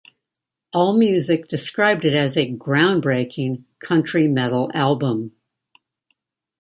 AllMusic described it as a "groundbreaking" country metal album.